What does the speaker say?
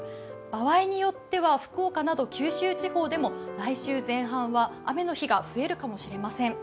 場合によっては福岡など九州地方でも来週前半は雨の日が増えるかもしれません。